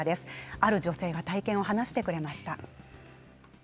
ある女性が体験を話してくれました。